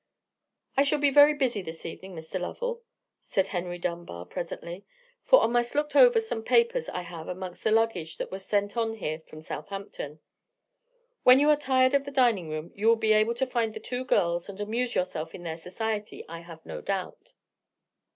"I shall be very busy this evening, Mr. Lovell," said Henry Dunbar, presently; "for I must look over some papers I have amongst the luggage that was sent on here from Southampton. When you are tired of the dining room, you will be able to find the two girls, and amuse yourself in their society, I have no doubt."